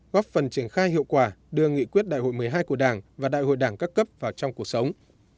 góp phần triển khai hiệu quả đưa nghị quyết đại hội một mươi hai của đảng và đại hội đảng các cấp vào trong cuộc sống